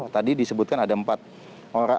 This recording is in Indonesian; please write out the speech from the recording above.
tadi disebutkan ada empat orang